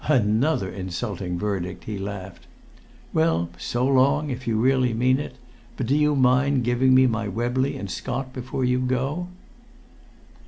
"Another insulting verdict!" he laughed. "Well, so long, if you really mean it; but do you mind giving me my Webley and Scott before you go?"